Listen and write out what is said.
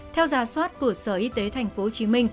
theo giả soát của sở y tế tp hcm